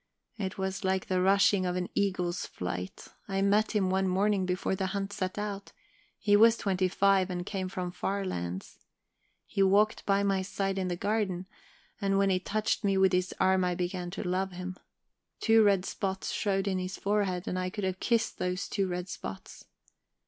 It was like the rushing of an eagle's flight. I met him one morning before the hunt set out; he was twenty five, and came from far lands; he walked by my side in the garden, and when he touched me with his arm I began to love him. Two red spots showed in his forehead, and I could have kissed those two red spots.